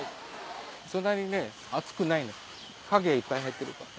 そんなにね暑くない陰いっぱい入ってるから。